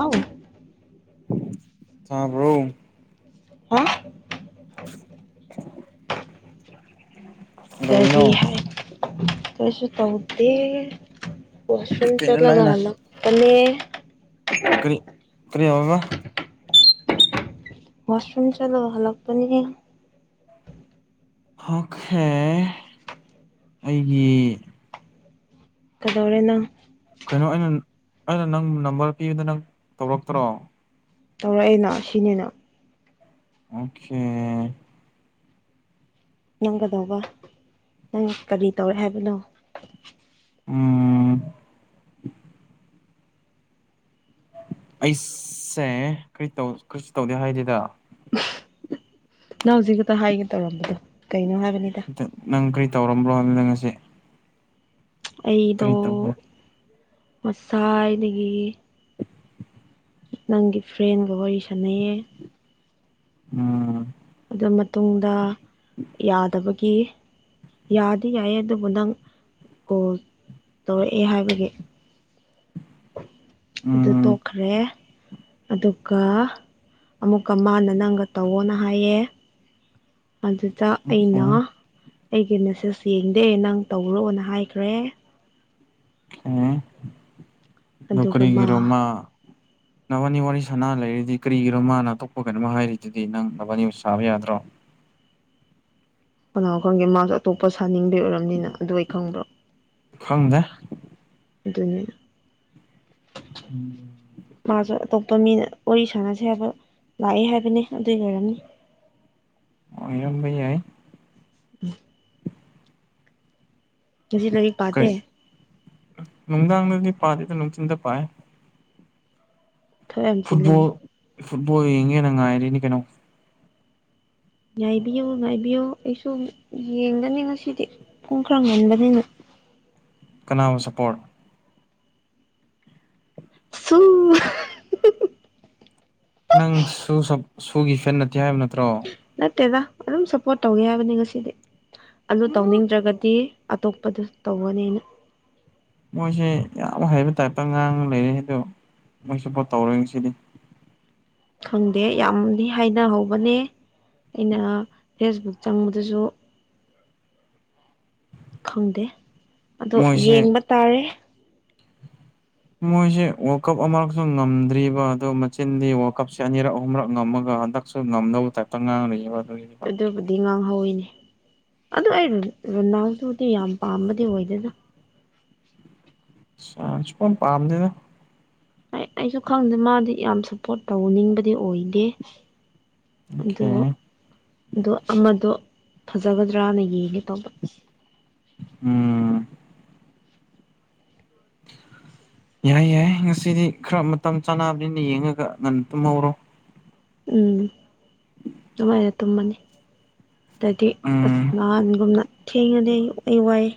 ꯑꯥꯎ ꯇꯥꯕ꯭ꯔꯣ ꯍꯥ [inaudible] ꯀꯔꯤ ꯀꯩꯗꯧꯔꯤꯅꯣ ꯍꯥꯏ ꯀꯩꯁꯨ ꯇꯧꯗꯦ ꯋꯥꯁꯔꯨꯝ ꯀꯩꯅꯣ ꯆꯠꯂꯒ ꯅꯪꯅ ꯍꯥꯜꯂꯛꯄꯅꯦ ꯀꯔꯤ ꯀꯔꯤ ꯍꯥꯢꯕ ꯋꯥꯁꯔꯨꯝꯝ ꯆꯠꯂꯒ ꯍꯥꯜꯂꯛꯄꯅꯦ ꯑꯣꯀꯦ ꯑꯩꯒꯤ ꯀꯩꯗꯧꯔꯦ ꯅꯪ ꯀꯩꯅꯣ ꯑꯩꯅ ꯑꯩꯅ ꯅꯪ ꯅꯝꯕꯔ ꯄꯤꯕꯗꯣ ꯅꯪ ꯇꯧꯔꯛꯇ꯭ꯔꯣ ꯇꯧꯔꯛꯑꯦꯅ ꯁꯤꯅꯤꯅ ꯑꯣꯀꯦ ꯅꯪ ꯀꯩꯗꯧꯕ ꯅꯪ ꯀꯔꯤ ꯇꯧꯔꯦ ꯍꯥꯏꯕꯅꯣ ꯑꯝ ꯑꯩꯁꯦ ꯀꯔꯤ ꯀꯔꯤ ꯇꯧꯗꯦ ꯍꯥꯏꯗꯦꯗ ꯅꯪ ꯍꯧꯖꯤꯛ ꯈꯛꯇ ꯍꯥꯏꯒꯦ ꯇꯧꯔꯝꯕꯗꯣ ꯀꯩꯅꯣ ꯍꯥꯏꯕꯅꯤꯗ ꯅꯪ ꯀꯔꯤ ꯇꯧꯔꯝꯕ꯭ꯔꯣ ꯍꯥꯏꯕꯅꯤꯗ ꯉꯁꯤ ꯑꯩꯗꯣ ꯀꯔꯤ ꯇꯧꯒꯦ ꯉꯁꯥꯥꯏꯗꯒꯤ ꯅꯪꯒꯤ ꯐ꯭ꯔꯦꯟꯒ ꯋꯥꯔꯤ ꯁꯥꯟꯅꯩꯌꯦ ꯎꯝ ꯑꯗꯨ ꯃꯇꯨꯡꯗ ꯌꯥꯗꯕꯒꯤ ꯌꯥꯗꯤ ꯌꯥꯏꯌꯦ ꯑꯗꯨꯕꯨ ꯅꯪ ꯀꯣꯜ ꯇꯧꯔꯛꯑꯦ ꯍꯥꯏꯕꯒꯤ ꯑꯗꯨ ꯎꯝ ꯇꯣꯛꯈ꯭ꯔꯦ ꯑꯗꯨꯒ ꯑꯃꯨꯛꯀ ꯃꯥꯅ ꯅꯪꯒ ꯇꯧꯋꯣꯅ ꯍꯥꯏꯌꯦ ꯑꯗꯨꯗ ꯑꯩꯅ ꯑꯣꯀꯦ ꯑꯩꯒꯤ ꯃꯦꯁꯦꯁ ꯌꯦꯡꯗꯦ ꯅꯪ ꯇꯧꯔꯣꯑꯣꯅ ꯍꯥꯏꯈ꯭ꯔꯦ ꯑꯝ ꯀꯔꯤꯒꯤꯔꯣ ꯃꯥ [unintelligible] ꯅꯕꯥꯅꯤ ꯋꯥꯔꯤ ꯁꯅꯥ ꯂꯩꯔꯤꯗꯤ ꯀꯔꯤꯒꯤꯅꯣ ꯃꯥꯅ ꯑꯇꯣꯞꯄ ꯀꯩꯅꯣꯃ ꯍꯥꯏꯔꯤꯗꯨꯗꯤ ꯅꯪ ꯅꯕꯥꯅꯤ ꯋꯥꯔꯤ ꯁꯥꯕ ꯌꯥꯗ꯭ꯔꯣ ꯀꯅꯥ ꯈꯪꯒꯦ ꯃꯥꯁꯨ ꯑꯇꯣꯞꯄ ꯁꯥꯅꯤꯡꯕꯩ ꯑꯣꯏꯔꯝꯅꯤꯅ ꯑꯗꯨ ꯑꯩ ꯈꯪꯕ꯭ꯔꯣ ꯈꯪꯗꯦ ꯑꯗꯨꯅꯤ [unintelligible] ꯃꯥꯁꯨ ꯑꯇꯣꯞꯄ ꯃꯤꯅ ꯋꯥꯔꯤ ꯁꯥꯟꯅꯁꯦ ꯍꯥꯏꯕ ꯂꯥꯛꯑꯦ ꯍꯥꯏꯕꯅꯤ ꯑꯗꯨꯏ ꯑꯣꯏꯔꯝꯅꯤ ꯑꯣꯏꯔꯝꯕ ꯌꯥꯏ [unintelligible] [inaudible] ꯀꯩ ꯅꯨꯡꯗꯥꯡꯗꯗꯤ ꯄꯥꯗꯦꯗ ꯅꯨꯡꯊꯤꯟꯗ ꯄꯥꯏ ꯊꯋꯥꯏ ꯌꯥꯝ ꯐꯨꯠꯕꯣꯜ ꯆꯤꯜꯂꯦꯅꯦ ꯐꯨꯠꯕꯣꯜ ꯌꯦꯡꯉꯦꯅ ꯉꯥꯏꯔꯤꯅꯤ ꯀꯩꯅꯣ ꯉꯥꯏꯕꯤꯌꯨ ꯉꯥꯏꯕꯤꯌꯨ ꯑꯩꯁꯨ ꯌꯦꯡꯒꯅꯤ ꯉꯁꯤꯗꯤ ꯄꯨꯡ ꯈꯔ ꯉꯟꯕꯅꯤꯅ ꯀꯅꯥꯕꯨ ꯁꯄꯣꯔꯠ ꯁꯨ ꯅꯪ ꯁꯨ ꯁꯨꯒꯤ ꯐꯦꯟ ꯅꯠꯇꯦ ꯍꯥꯏꯕ ꯅꯠꯇ꯭ꯔꯣ ꯅꯠꯇꯦꯗ ꯑꯗꯨꯝ ꯁꯞꯄꯣꯔꯠ ꯇꯧꯒꯦ ꯍꯥꯏꯕꯅꯤ ꯉꯁꯤꯗꯤ ꯑꯗꯨ ꯇꯧꯅꯤꯡꯗ꯭ꯔꯒꯗꯤ ꯑꯇꯣꯞꯄꯗ ꯇꯧꯒꯅꯦꯅ ꯃꯣꯏꯁꯦ ꯌꯥꯝ ꯍꯩꯕ ꯇꯥꯏꯞꯇ ꯉꯥꯡꯉ ꯂꯩꯔꯦ ꯑꯗꯣ ꯃꯣꯏꯁꯨ ꯄꯣꯠ ꯇꯧꯔꯣꯏ ꯉꯁꯤꯗꯤ ꯈꯪꯗꯦ ꯌꯥꯝꯗꯤ ꯍꯥꯏꯅꯍꯧꯕꯅꯦ ꯑꯩꯅ ꯐꯦꯁꯕꯨꯛ ꯆꯪꯕꯗꯁꯨ ꯈꯪꯗꯦ ꯑꯗꯣ ꯃꯣꯏꯁꯦ ꯌꯦꯡꯕ ꯇꯥꯔꯦ ꯃꯣꯏꯁꯦ ꯋꯥꯔꯜ ꯀꯞ ꯑꯃꯔꯛꯁꯨ ꯉꯝꯗ꯭ꯔꯤꯕ ꯑꯗꯨꯣ ꯃꯆꯤꯟꯗꯤ ꯋꯥꯔꯜ ꯀꯞꯁꯦ ꯑꯅꯤꯔꯛ ꯑꯍꯨꯝꯔꯛ ꯉꯝꯃꯒ ꯍꯟꯗꯛ ꯁꯣ ꯉꯝꯅꯕ [unintelligible] ꯑꯗꯨꯕꯨꯗꯤ ꯉꯥꯡꯍꯧꯋꯤꯅꯦ ꯑꯗꯨ ꯑꯩ ꯔꯨꯅꯥꯡꯗꯨꯗꯤ ꯌꯥꯝ ꯄꯥꯝꯕꯗꯤ ꯑꯣꯏꯗꯣꯏꯅ ꯁꯨꯄꯥꯝ ꯄꯥꯝꯗꯦꯗ ꯑꯩꯁꯨ ꯈꯪꯗꯦ ꯃꯥꯗꯤ ꯌꯥꯝ ꯁꯞꯄꯣꯔꯠ ꯇꯧꯅꯤꯡꯕꯗꯤ ꯑꯣꯏꯗꯦ ꯑꯗ ꯑꯣꯀꯦ ꯑꯗꯣ ꯑꯃꯗꯣ ꯐꯖꯒꯗ꯭ꯔꯅ ꯌꯦꯡꯉꯦ ꯇꯧꯕ ꯎꯝ ꯌꯥꯏ ꯌꯥꯏ ꯉꯁꯤꯗꯤ ꯈꯔ ꯃꯇꯝ ꯆꯥꯅꯕꯅꯤꯅ ꯌꯦꯡꯉꯒ ꯉꯟꯅ ꯇꯨꯝꯍꯧꯔꯣ ꯎꯝ ꯅꯨꯡꯉꯥꯏꯅ ꯇꯨꯝꯃꯅꯤ ꯇꯗꯤ ꯑꯁ ꯎꯝ ꯅꯍꯥꯟꯒꯨꯝꯅ ꯊꯦꯡꯉꯗꯤ ꯑꯩ ꯋꯥꯏꯑ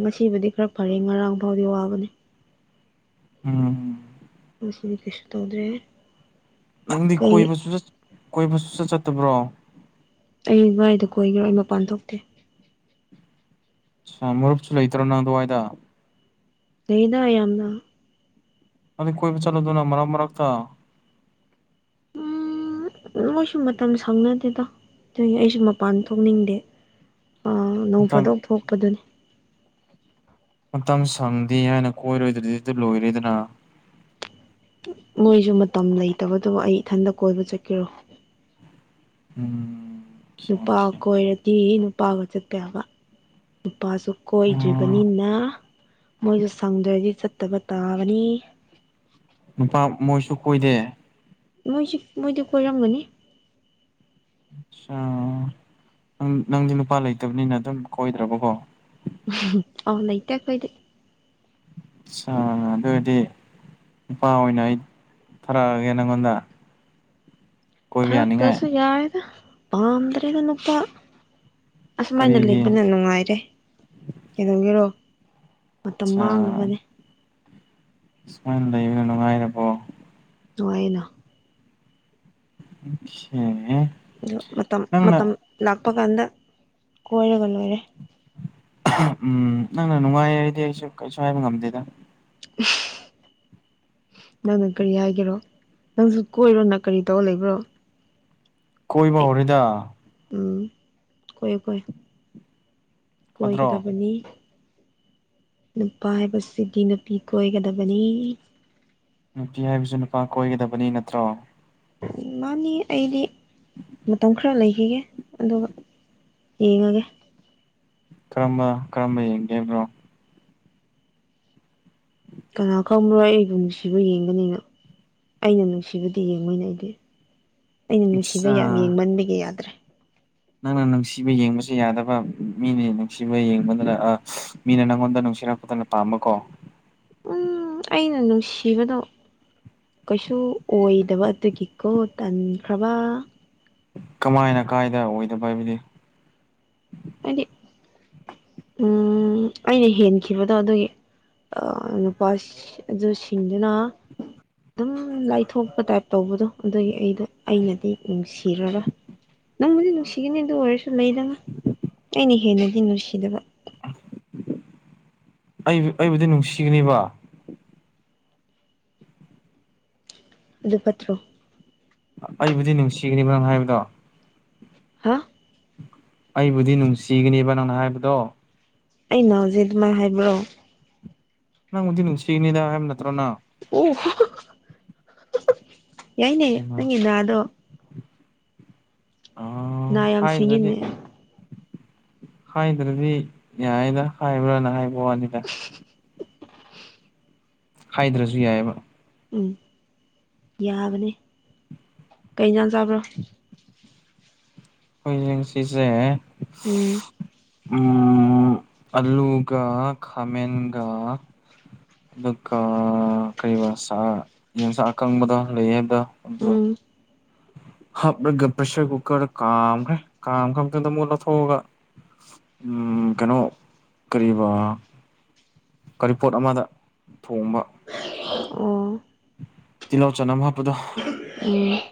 ꯉꯁꯤꯕꯨꯗꯤ ꯈꯔ ꯐꯔꯦ ꯉꯔꯥꯡ ꯐꯥꯎꯗꯤ ꯋꯥꯕꯅꯤ ꯎꯝ ꯉꯁꯤꯗꯤ ꯀꯩꯁꯨ ꯇꯧꯗ꯭ꯔꯦ ꯅꯪꯗꯤ ꯀꯩ ꯀꯣꯏꯕꯁꯨ ꯀꯣꯏꯕꯁꯨ ꯆꯠ ꯆꯠꯇꯕ꯭ꯔꯣ ꯑꯩ ꯉꯥꯏꯗ ꯀꯣꯏꯈꯤꯕꯔ ꯑꯩ ꯃꯄꯥꯟ ꯊꯣꯛꯇꯦ ꯃꯔꯨꯞꯁꯨ ꯂꯩꯇ꯭ꯔꯣ ꯅꯪ ꯑꯗꯨꯋꯥꯏꯗ ꯂꯩꯗ ꯌꯥꯝꯅ ꯑꯗꯨꯩ ꯀꯣꯏꯕ ꯆꯠꯂꯗꯅ ꯃꯔꯛ ꯃꯔꯛꯇ ꯎꯝ ꯃꯣꯏꯁꯨ ꯃꯇꯝ ꯁꯪꯅꯗꯦꯗ ꯑꯗꯨ ꯑꯩꯁꯨ ꯃꯄꯥꯟ ꯊꯣꯛꯅꯤꯡꯗꯦ ꯑꯥ ꯅꯣꯡ ꯃꯇꯝ ꯐꯥꯗꯣꯛ ꯊꯣꯛꯄꯗꯨꯅꯤ ꯃꯇꯝ ꯁꯪꯗꯦ ꯍꯥꯏꯅ ꯀꯣꯏꯔꯣꯏꯗꯗꯤ ꯑꯗꯨ ꯂꯣꯏꯔꯦꯗꯅ ꯃꯣꯏꯁꯨ ꯃꯇꯝ ꯂꯩꯇꯕꯗꯨꯕꯨ ꯑꯩ ꯏꯊꯟꯇ ꯀꯣꯏꯕ ꯆꯠꯀꯦꯔꯣ ꯎꯝ ꯅꯨꯄꯥ ꯑꯣꯀꯦ ꯀꯣꯏꯔꯗꯤ ꯅꯨꯄꯥꯒ ꯆꯠꯄ ꯌꯥꯕ ꯅꯨꯄꯥꯁꯨ ꯑꯣ ꯀꯣꯏꯗ꯭ꯔꯤꯕꯅꯤꯅ ꯃꯣꯏ ꯁꯪꯗ꯭ꯔꯗꯤ ꯆꯠ ꯇꯕ ꯇꯥꯕꯅꯤ ꯅꯨꯄꯥ ꯃꯣꯏꯁꯨ ꯀꯣꯏꯗꯦ ꯃꯣꯏꯁꯨ ꯃꯣꯏꯗꯤ ꯀꯣꯏꯔꯝꯒꯅꯤ ꯑꯪ ꯅꯪꯗꯤ ꯅꯨꯄꯥ ꯂꯩꯇꯕꯅꯤꯅ ꯑꯗꯨꯝ ꯀꯣꯏꯗ꯭ꯔꯕꯀꯣ ꯑꯥꯎ ꯂꯩꯩꯇ ꯀꯣꯏꯗꯦ ꯑ ꯑꯗꯨꯔꯗꯤ ꯅꯨꯨꯄꯥ ꯑꯣꯏꯅ ꯑꯩ ꯊꯥꯔꯛꯑꯒꯦ ꯅꯪꯉꯣꯟꯗ ꯀꯣꯏꯕ ꯌꯥꯅꯤꯡꯉꯥꯏ ꯊꯔꯛꯑꯁꯨ ꯌꯥꯏꯗ ꯄꯥꯝꯗ꯭ꯔꯦꯗ ꯅꯨꯄꯥ ꯑꯁꯨꯃꯥꯏꯅ ꯀꯔꯤꯒꯤ ꯂꯩꯕꯅ ꯅꯨꯡꯉꯥꯏꯔꯦ ꯀꯩꯗꯧꯕꯤꯔꯣ ꯃꯇꯝ ꯃꯥꯡꯅꯕꯅꯦ ꯑꯨꯃꯥꯏꯅ ꯂꯩꯕꯅ ꯅꯨꯡꯉꯥꯏꯔꯕꯣ ꯅꯨꯡꯉꯥꯏꯅ ꯑꯦ ꯑꯗ ꯃꯇꯝ ꯃꯇꯝ ꯂꯥꯛꯄ ꯀꯥꯟꯗ ꯀꯣꯏꯔꯒ ꯂꯣꯏꯔꯦ ꯎꯝ ꯅꯪꯅ ꯅꯨꯡꯉꯥꯏ ꯑꯩꯗꯤ ꯑꯩꯁꯨ ꯀꯩꯁꯨ ꯍꯥꯏꯕ ꯉꯝꯗꯦꯗ [inaudible] ꯅꯪꯅ ꯀꯔꯤ ꯍꯥꯏꯒꯦꯔꯣ ꯅꯪꯁꯨ ꯀꯣꯏꯔꯣ ꯅꯪ ꯀꯔꯤ ꯇꯧꯔ ꯂꯩꯕ꯭ꯔꯣ ꯀꯣꯏꯕ ꯍꯧꯔꯦꯗ ꯎꯝ ꯀꯦ ꯀ ꯐꯠꯇ꯭ꯔꯣ ꯀꯣꯏꯒꯗꯕꯅꯤ ꯅꯨꯄꯥ ꯍꯥꯏꯕꯁꯤꯗꯤ ꯅꯨꯄꯤ ꯀꯣꯏꯒꯗꯕꯅꯤ ꯅꯨꯄꯤ ꯍꯥꯏꯕꯁꯨ ꯅꯨꯄꯥ ꯀꯣꯏꯒꯗꯕꯅꯤ ꯅꯠꯇ꯭ꯔꯣ ꯃꯥꯅꯤ ꯑꯩꯗꯤ ꯃꯇꯝ ꯈꯔ ꯂꯩꯈꯤꯒꯦ ꯑꯗꯨꯒ ꯌꯦꯉꯒꯦ ꯀꯔꯝꯕ ꯀꯔꯝꯕ ꯌꯦꯡꯒꯦ ꯍꯥꯏꯕꯅꯣ ꯀꯅꯥ ꯈꯪꯕ꯭ꯔꯣꯏ ꯑꯩꯕꯨ ꯅꯨꯡꯁꯤꯕ ꯌꯦꯡꯒꯅꯤꯅ ꯑꯩꯅ ꯅꯨꯡꯁꯤꯕꯗꯤ ꯌꯦꯡꯉꯣꯏꯅꯦ ꯑꯩꯗꯤ ꯑꯩꯅ ꯅꯨꯡꯁꯤꯕ ꯌꯥꯝ ꯑꯠꯆꯥ ꯌꯦꯡꯃꯟꯕꯒꯤ ꯌꯥꯗ꯭ꯔꯦ ꯅꯪꯅ ꯅꯨꯡꯁꯤꯕ ꯌꯦꯡꯕꯁꯨ ꯌꯥꯗꯕ ꯃꯤꯅꯤ ꯅꯨꯡꯁꯤꯕ ꯌꯦꯡꯕꯅꯤꯅ ꯑ ꯃꯤꯅ ꯅꯪꯉꯣꯟꯗ ꯅꯨꯡꯁꯤꯔꯛꯄꯗꯅ ꯄꯥꯝꯃꯀꯣ ꯎꯝ ꯑꯩꯅ ꯅꯨꯡꯁꯤꯕꯗꯣ ꯀꯩꯁꯨ ꯑꯣꯏꯗꯕ ꯑꯗꯨꯒꯤꯀꯣ ꯇꯟꯈ꯭ꯔꯕ ꯀꯃꯥꯏꯅ ꯀꯥꯏꯗ ꯑꯣꯏꯗꯕ ꯍꯥꯏꯕꯗꯤ ꯍꯥꯏꯗꯤ ꯎ ꯑꯩꯅ ꯍꯦꯟꯈꯤꯕꯗꯣ ꯑꯗꯨꯒꯤ ꯑ ꯄꯁ ꯑꯗꯨ ꯁꯤꯁꯤꯡꯖꯅꯥ ꯑꯗꯨꯝ ꯂꯥꯏꯊꯣꯛꯄ ꯇꯥꯏꯞ ꯇꯧꯕꯗꯣ ꯑꯗꯨꯒꯤ ꯑꯩꯗꯣ ꯑꯩꯅꯗꯤ ꯅꯨꯡꯁꯤꯔꯔꯣꯏ ꯅꯪꯕꯨꯗꯤ ꯅꯨꯡꯁꯤꯒꯅꯤ ꯑꯗꯨ ꯑꯣꯏꯔꯁꯨ ꯂꯩꯗꯕ ꯑꯩꯅ ꯍꯦꯟꯅꯗꯤ ꯅꯨꯡꯁꯤꯗꯕ ꯑꯩ ꯑꯩꯕꯨꯗꯤ ꯅꯨꯡꯁꯤꯒꯅꯦꯕ ꯑꯗꯨ ꯄꯠꯇ꯭ꯔꯣ ꯑꯩꯕꯨꯗꯤ ꯅꯨꯡꯁꯤꯒꯅꯤꯕ ꯅꯪ ꯍꯥꯏꯕꯗꯣ ꯍꯥ ꯑꯩꯕꯨꯗꯤ ꯅꯨꯡꯁꯤꯒꯅꯦꯕ ꯅꯪꯅ ꯍꯥꯏꯕꯗꯣ ꯑꯩꯅ ꯍꯧꯖꯤꯦ ꯑꯗꯨꯃꯥꯏ ꯍꯥꯏꯕ꯭ꯔꯣ ꯅꯪꯕꯨꯗꯤ ꯅꯨꯡꯁꯤꯅꯤꯗ ꯍꯥꯏꯕ ꯅꯠꯇ꯭ꯔꯣꯅ ꯑꯣꯣ ꯌꯥꯏꯅꯦ ꯀꯩꯅꯣ ꯅꯪꯒꯤꯅꯥꯗꯣ ꯑ ꯅꯥ ꯌꯥꯝ ꯍꯥꯏꯗ꯭ꯔꯗꯤ ꯁꯤꯡꯉꯤꯅꯦ ꯍꯥꯏꯗ꯭ꯔꯗꯤ ꯌꯥꯔꯤꯗ ꯍꯥꯏꯕ꯭ꯔꯥꯅ ꯍꯥꯏꯕ ꯋꯥꯅꯤꯗ ꯍꯥꯏꯗ꯭ꯔꯁꯨ ꯌꯥꯏꯑꯕ ꯎꯝ ꯌꯥꯕꯅꯤ ꯀꯩꯖꯥꯟ ꯆꯥꯕ꯭ꯔꯣ ꯑꯩꯈꯣꯏꯡ ꯁꯤꯁꯦ ꯎꯝ ꯎꯝ ꯑꯂꯨꯒ ꯈꯥꯃꯦꯟꯒ ꯑꯗꯨꯒ ꯀ ꯌꯦꯟꯁꯥꯛ ꯑꯀꯪꯕꯗꯣ ꯂꯩ ꯍꯥꯏꯕꯗ ꯑꯗꯨꯣ ꯎꯝ ꯍꯥꯞꯂꯒ ꯄ꯭ꯔꯦꯁꯔ ꯀꯨꯀꯔꯗ ꯀꯥꯝꯈ꯭ꯔꯦ ꯀꯥꯝꯈ꯭ꯔꯕ ꯃꯇꯨꯡꯗ ꯑꯃꯨꯛ ꯂꯧꯊꯣꯛꯑꯒ ꯎꯝ ꯀꯩꯅꯣ ꯀꯕꯥ ꯀꯔꯤꯄꯣꯠ ꯑꯃꯗ ꯊꯣꯡꯕ ꯑꯣ ꯇꯤꯜꯍꯧ ꯆꯅꯝ ꯍꯥꯞꯄꯗꯣ ꯎ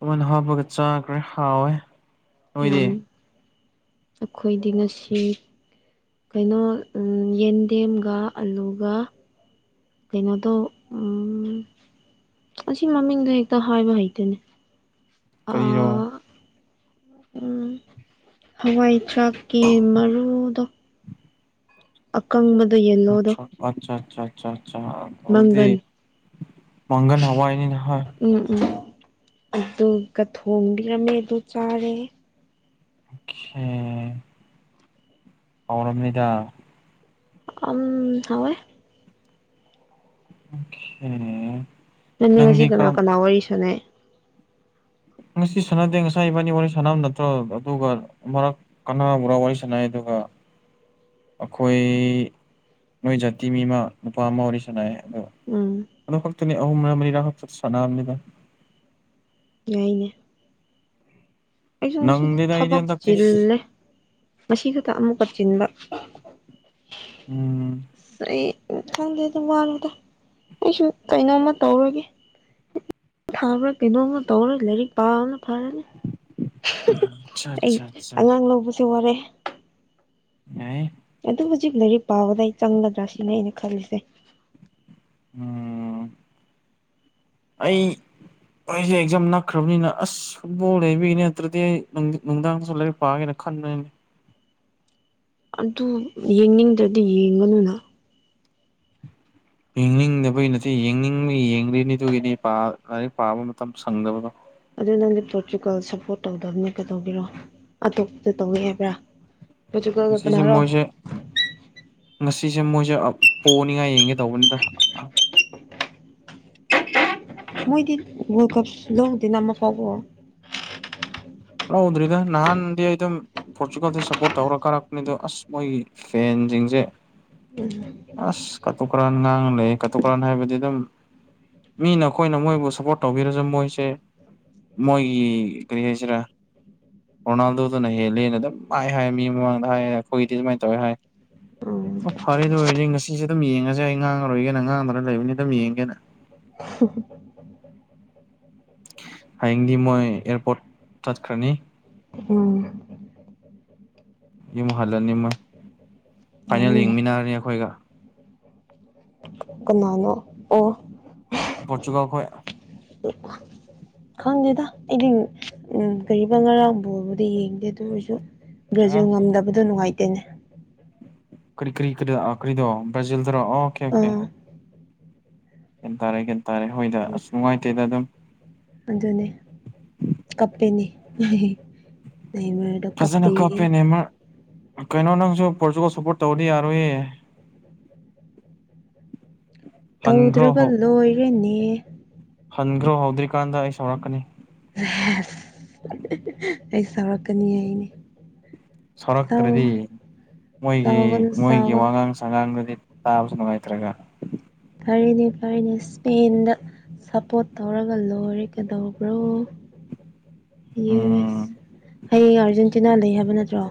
ꯑꯩꯣꯏꯅ ꯍꯥꯞꯄꯒ ꯆꯥꯈ꯭ꯔꯦ ꯍꯥꯎꯋꯦ ꯌꯥꯝ ꯅꯣꯏꯗꯤ ꯑꯩꯈꯣꯏꯗꯤ ꯉꯁꯤ ꯀꯩꯅꯣ ꯌꯦꯟꯗꯦꯝꯒ ꯑꯂꯨꯒ ꯀꯩꯅꯣꯗꯣ ꯑꯁꯤ ꯃꯃꯤꯡꯗꯣ ꯍꯦꯛꯇ ꯍꯥꯏꯕ ꯍꯩꯇꯅꯦ ꯀꯔꯤꯅꯣ ꯎꯝ ꯍꯋꯥꯏ ꯆꯔꯥꯛꯀꯤ ꯃꯔꯨꯗꯣ ꯑꯀꯪꯕꯗꯣ ꯌꯦꯜꯂꯣꯗꯣ ꯑꯆꯥ ꯑꯆꯥ ꯑꯆꯥ ꯑꯆꯥ ꯑꯆꯥ ꯑꯗꯨꯗꯤ ꯃꯪꯒꯟ ꯃꯒꯅ ꯍꯥꯏꯋꯥ ꯏꯅꯤ ꯅ ꯎꯝ ꯎꯝ ꯑꯗꯨꯒ ꯊꯣꯡꯕꯤꯔꯝꯃꯦ ꯑꯗꯨ ꯆꯥꯔꯦ ꯑꯆꯥ ꯍꯥꯎꯔꯝꯅꯤꯗ ꯑꯝ ꯍꯥꯎꯋꯦ ꯑꯣꯀꯦ ꯅꯪ ꯃꯤ ꯉꯁꯤ ꯀꯅꯥ ꯀꯅꯥ ꯋꯥꯔꯤ ꯁꯥꯟꯅꯩ ꯉꯁꯤ ꯁꯥꯟꯅꯗꯦ ꯉꯁꯥꯏ ꯏꯕꯥꯅꯤ ꯋꯥꯔꯤ ꯁꯥꯟꯅꯕ ꯅꯠꯇ꯭ꯔꯣ ꯑꯗꯨꯒ ꯑꯃꯔꯛ ꯀꯅꯥꯕꯨꯔꯥ ꯋꯥꯔꯤ ꯁꯥꯟꯅꯩ ꯑꯗꯨꯒ ꯑꯩꯈꯣꯏ ꯅꯣꯏ ꯖꯥꯇꯤ ꯃꯤ ꯑꯃ ꯅꯨꯄꯥ ꯑꯃ ꯋꯥꯔꯤ ꯁꯥꯟꯅꯩ ꯑꯗꯨ ꯎꯝ ꯑꯗꯨ ꯈꯛꯇꯅꯤ ꯑꯍꯨꯝꯔꯥ ꯃꯔꯤꯔꯥ ꯈꯛꯇ ꯁꯥꯟꯅꯕꯅꯤꯗ ꯌꯥꯏꯅꯦ ꯑꯩꯁꯨꯨ ꯉꯁꯤꯗꯤ ꯅꯪꯗꯦꯗ ꯑꯩꯗꯤ ꯊꯕꯛ ꯍꯟꯗꯛꯇꯤ ꯆꯤꯜꯂꯦ ꯃꯁꯤ ꯈꯛꯇ ꯑꯃꯨꯛꯀ ꯆꯤꯟꯕ ꯎꯝ ꯑꯁ ꯑꯩ ꯎꯝ ꯈꯪꯗꯦ ꯑꯗꯨꯝ ꯋꯥꯂꯨꯗ ꯑꯩꯁꯨ ꯀꯩꯅꯣꯝꯃ ꯇꯧꯔꯒꯦ ꯊꯥꯕ꯭ꯔꯥ ꯀꯩꯅꯣꯝꯃ ꯇꯧꯔ ꯂꯥꯏꯔꯤꯛ ꯄꯥꯕꯅ ꯐꯔꯅꯤ ꯑꯆꯥ ꯑꯩ ꯑꯆꯥ ꯑꯆꯥ ꯑꯉꯥꯡ ꯂꯧꯕꯁꯦ ꯋꯥꯔꯦ ꯌꯥꯏꯌꯦ ꯑꯗꯨ ꯍꯧꯖꯤꯛ ꯂꯥꯏꯔꯤꯛ ꯄꯥꯕꯗ ꯑꯩ ꯆꯪꯒꯗ꯭ꯔꯥ ꯁꯤꯅꯦ ꯑꯩꯅ ꯈꯜꯂꯤꯁꯦ ꯎꯝ [unintelligible] ꯑꯩ ꯑꯩꯁꯦ ꯑꯦꯛꯖꯥꯝ ꯅꯛꯈ꯭ꯔꯕꯅꯤꯅ ꯑꯁ ꯐꯨꯠꯕꯣꯜ ꯂꯩꯕꯒꯤꯅꯤ ꯅꯠꯇ꯭ꯔꯗꯤ ꯅꯨꯡ ꯅꯨꯡꯗꯥꯡꯁꯨ ꯂꯥꯏꯔꯤꯛ ꯄꯥꯒꯦꯅ ꯈꯟꯕ [unintelligible] ꯑꯗꯨ ꯌꯦꯡꯅꯤꯡꯗ꯭ꯔꯗꯤ ꯌꯦꯡꯒꯅꯨꯅ ꯌꯦꯡꯅꯤꯡꯗꯕꯩ ꯅꯠꯇꯦ ꯌꯦꯡꯅꯤꯡꯕꯩ ꯌꯦꯡꯕꯩꯅꯦ ꯑꯗꯨꯒꯤꯅꯦ ꯄꯥ ꯂꯥꯏꯔꯤꯛ ꯄꯥꯕ ꯃꯇꯝ ꯁꯪꯗꯕꯗꯣ ꯑꯗꯨ ꯅꯪꯗꯤ ꯄꯣꯔꯇꯨꯒꯜ ꯁꯞꯄꯣꯔꯠ ꯇꯧꯗꯕꯅꯦ ꯀꯩꯗꯧꯕꯤꯔꯣ ꯑꯇꯣꯞꯄꯗ ꯇꯧꯋꯦ ꯍꯥꯏꯕ꯭ꯔꯥ ꯄꯣꯔꯇꯨꯒꯜꯒ ꯉꯁꯤꯁꯦ ꯀꯅꯥꯔꯣ ꯃꯣꯏꯁꯦ ꯉꯁꯤꯁꯦ ꯃꯣꯏꯁꯦ ꯄꯣꯅꯤꯡꯉꯥꯏ ꯌꯦꯡꯒꯦ ꯇꯧꯕꯅꯤꯗ ꯃꯣꯏꯗꯤ ꯋꯥꯔꯜ ꯀꯞ ꯂꯧꯗꯦꯅ ꯑꯃꯛ ꯐꯥꯎꯕꯨ ꯂꯧꯗ꯭ꯔꯤꯗ ꯅꯍꯥꯟꯗꯤ ꯑꯗꯨꯝ ꯄꯣꯔꯆꯨꯒꯥꯜꯗ ꯁꯞꯄꯣꯔꯠ ꯇꯧꯔ ꯀꯥꯔꯛꯄꯅꯤ ꯑꯗꯣ ꯑꯁ ꯃꯣꯏꯒꯤ ꯐꯦꯟꯖꯤꯡꯖꯦ [unintelligible] ꯑꯁ ꯀꯥꯇꯨꯀꯔꯥꯟ ꯉꯥꯡꯅ ꯂꯩ ꯀꯥꯇꯨꯀꯔꯥꯟ ꯍꯥꯏꯕꯗꯤ ꯑꯗꯨꯝ ꯃꯤꯅ ꯑꯩꯈꯣꯏꯅ ꯃꯣꯏꯕꯨ ꯁꯞꯄꯣꯔꯠ ꯇꯧꯕꯤꯔꯁꯨ ꯃꯣꯏꯁꯦ ꯃꯣꯏꯒꯤ ꯀꯔꯤ ꯍꯥꯏꯁꯤꯔꯥ ꯔꯣꯅꯥꯜꯗꯣꯗꯨꯅ ꯍꯦꯜꯂꯦꯅ ꯑꯗꯨꯝ ꯃꯥꯏ ꯍꯥꯏ ꯃꯤ ꯃꯃꯥꯡꯗ ꯍꯥꯏ ꯑꯩꯈꯣꯏꯗꯤ ꯑꯗꯨꯃꯥꯏꯅ ꯇꯧꯋꯦ ꯍꯥꯏ ꯎꯝ ꯑꯣ ꯐꯔꯦ ꯑꯗꯨ ꯑꯣꯏꯔꯗꯤ ꯉꯁꯤꯁꯦ ꯑꯗꯨꯝ ꯌꯦꯡꯉꯖꯦ ꯑꯩ ꯉꯥꯡꯉꯔꯣꯏꯒꯦꯅ ꯉꯥꯡꯗꯅ ꯂꯩꯕꯅꯤ ꯑꯗꯨꯝ ꯌꯦꯡꯒꯦꯅ [unintelligible] ꯍꯌꯦꯡꯗꯤ ꯃꯣꯏ ꯑꯦꯌꯥꯔꯄꯣꯔꯠ ꯆꯠꯈ꯭ꯔꯅꯤ ꯎꯝ ꯌꯨꯝ ꯍꯜꯂꯅꯤ ꯃꯣꯏ ꯐꯥꯏꯅꯦꯜ ꯌꯥꯏꯅꯦ ꯌꯦꯡꯃꯤꯟꯅꯔꯅꯤ ꯑꯩꯈꯣꯏꯒ ꯀꯅꯥꯅꯣ ꯑꯣ ꯄꯣꯔꯇꯨꯒꯜ ꯈꯣꯏ [unintelligible] ꯈꯪꯗꯦꯗ ꯑꯩꯗꯤ ꯎꯝ ꯀꯔꯤꯕ ꯉꯔꯥꯡ ꯕꯣꯜꯕꯨꯗꯤ ꯌꯦꯡꯗꯦ ꯑꯗꯨ ꯑꯣꯏꯖꯨ ꯕ꯭ꯔꯥꯖꯤꯜ ꯑ ꯉꯝꯗꯕꯗꯣ ꯅꯨꯡꯉꯥꯏꯇꯦꯅꯦ ꯀ꯭ꯔꯤ ꯀ꯭ꯔꯤ ꯀ꯭ꯔꯤ ꯑꯥ ꯀ꯭ꯔꯤꯗꯣ ꯕ꯭ꯔꯥꯖꯤꯜꯗꯔꯣ ꯑꯣꯀꯦ ꯑꯣꯀꯦ ꯑꯥ ꯒ꯭ꯌꯥꯟ ꯇꯥꯔꯦ ꯒ꯭ꯌꯥꯟ ꯇꯥꯔꯦ ꯍꯣꯏꯗ ꯑꯁ ꯅꯨꯡꯉꯥꯏꯇꯦꯗ ꯑꯗꯨꯝ ꯑꯗꯨꯅꯤ ꯀꯞꯄꯤꯅꯤ [unintelligible] ꯅꯦꯃꯥꯔꯗꯣ ꯐꯖꯅ ꯀꯞꯄꯦꯌꯦ ꯀꯥꯞꯄꯦ ꯅꯦꯃꯔ ꯀꯩꯅꯣ ꯅꯪꯁꯨ ꯄꯣꯔꯇꯨꯒꯜ ꯁꯞꯄꯣꯔꯠ ꯇꯧꯔꯗꯤ ꯌꯥꯔꯣꯏꯌꯦ ꯍꯟꯈ꯭ꯔꯣ ꯇꯧꯗ꯭ꯔꯒ ꯂꯣꯏꯔꯦꯅꯦ ꯍꯟꯒ꯭ꯔꯣ ꯍꯧꯗ꯭ꯔꯤꯀꯥꯟꯗ ꯑꯩ ꯁꯧꯔꯛꯀꯅꯤ [unintelligible] ꯑꯩ ꯁꯥꯎꯔꯛꯀꯅꯤ ꯍꯩꯅꯦ ꯁꯧꯔꯛꯇ꯭ꯔꯗꯤ ꯃꯣꯏꯒꯤ ꯁꯥꯎꯒꯅꯨ ꯃꯣꯏꯒꯤ ꯁꯥꯎꯒꯅꯨ ꯋꯥꯉꯥꯡ ꯁꯉꯥꯡꯗꯨꯗꯤ ꯇꯥꯕꯁꯨ ꯅꯨꯡꯉꯥꯏꯇ꯭ꯔꯒꯥ ꯐꯔꯦꯅꯦ ꯐꯔꯦꯅꯦ ꯏꯁꯄꯦꯟꯗ ꯁꯞꯄꯣꯔꯠ ꯇꯧꯔꯒ ꯂꯣꯏꯔꯦ ꯀꯩꯗꯧꯕ꯭ꯔꯣ ꯌꯨ ꯑꯦꯁ ꯎꯝ ꯍꯥꯌꯦꯡ ꯑꯥꯔꯖꯦꯟꯇꯤꯅꯥ ꯂꯩ ꯍꯥꯏꯕ ꯅꯠꯇ꯭ꯔꯣ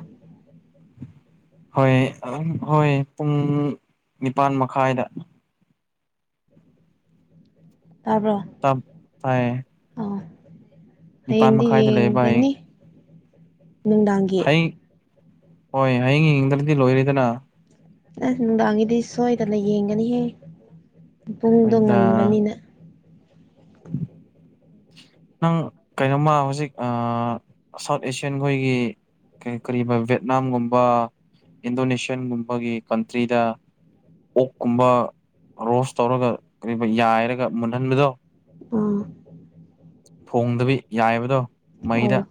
ꯍꯣꯏ ꯎꯝ ꯍꯣꯏ ꯄꯨꯡ ꯅꯤꯄꯥꯜ ꯃꯈꯥꯏꯗ ꯇꯥꯕ꯭ꯔꯣ ꯇꯞ ꯇꯥꯏꯌꯦ ꯑꯥ ꯅꯤꯄꯥꯜ ꯍꯥꯌꯦꯡꯗꯤ ꯃꯈꯥꯏꯗ ꯂꯩꯌꯦꯕ ꯍꯌꯦꯡ ꯌꯦꯡꯒꯅꯤ ꯅꯨꯡꯗꯥꯡꯒꯤ ꯍꯣꯏ ꯍꯌꯦꯡ ꯍꯌꯦꯡ ꯌꯦꯡꯗ꯭ꯔꯗꯤ ꯂꯣꯏꯔꯦꯗꯅ ꯑꯁ ꯅꯨꯡꯗꯥꯡꯒꯤꯗꯤ ꯁꯣꯏꯗꯅ ꯌꯦꯡꯒꯅꯤꯍꯦ ꯄꯨꯡꯗꯣ ꯑꯗꯨꯗ ꯉꯟꯕꯅꯤꯅ ꯅꯪ ꯀꯩꯅꯣꯝꯃ ꯍꯧꯖꯤꯛ ꯑꯥ ꯁꯥꯎꯠ ꯑꯦꯁꯤꯌꯥꯟ ꯈꯣꯏꯒꯤ ꯀꯔꯤ ꯀ꯭ꯔꯤꯕꯥ ꯚꯦꯠꯅꯥꯝꯒꯨꯝꯕ ꯏꯟꯗꯣꯅꯦꯁꯤꯌꯥꯟꯒꯨꯝꯕꯒꯤ ꯀꯟꯇ꯭ꯔꯤꯗꯥ ꯑꯣꯛꯀꯨꯝꯕ ꯔꯣꯁ ꯇꯧꯔꯒ ꯀ꯭ꯔꯤꯕ ꯌꯥꯏꯔꯒ ꯃꯨꯟꯍꯟꯕꯗꯣ ꯎꯝ ꯊꯣꯡꯗꯕꯤ ꯌꯥꯏꯕꯗꯣ ꯑꯧ ꯃꯩꯗ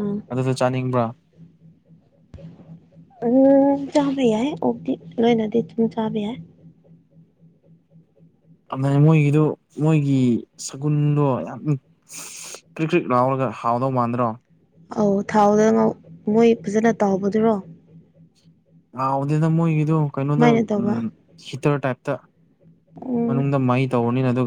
ꯑꯥ ꯑꯗꯨꯗꯣ ꯆꯥꯅꯤꯡꯕ꯭ꯔꯥ ꯎꯝ ꯆꯥꯕ ꯌꯥꯏ ꯑꯣꯛꯇꯤ ꯂꯣꯏꯅꯗꯤ ꯑꯣꯛ ꯆꯥꯕ ꯌꯥꯏ ꯑꯃꯦꯡ ꯃꯣꯏꯒꯤꯗꯨ ꯃꯣꯏꯒꯤ ꯁꯒꯨꯜꯗꯣ ꯌꯥꯝ ꯀ꯭ꯔꯤꯛ ꯀ꯭ꯔꯤꯛ ꯂꯥꯎꯔꯒ ꯍꯥꯎꯗꯧ ꯃꯥꯟꯗ꯭ꯔꯣ ꯑꯧ ꯊꯥꯎꯗ ꯉꯧ ꯃꯣꯏ ꯐꯖꯅ ꯇꯥꯎꯕꯗꯨꯔꯣ ꯍꯥꯎꯗꯦꯗꯥ ꯃꯣꯏꯒꯤꯗꯣ ꯀꯩꯅꯣꯗ ꯀꯃꯥꯏꯅ ꯇꯧꯕ ꯎꯝ ꯍꯤꯇꯔ ꯇꯥꯏꯞꯇ ꯎꯝ ꯃꯅꯨꯡꯗ ꯃꯩ ꯇꯧꯔꯅꯤꯅ ꯑꯗꯨꯒ